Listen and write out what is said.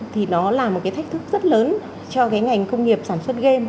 thì nó là một cái thách thức rất lớn cho cái ngành công nghiệp sản xuất game